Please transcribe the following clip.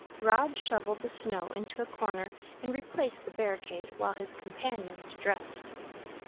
Rod shoveled the snow into a corner and replaced the barricade while his companions dressed.